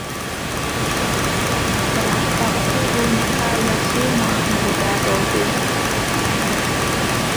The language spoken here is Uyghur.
بىراق تاغىسى ئۇنىڭغا ياخشى مۇئامىلىدە بولدى.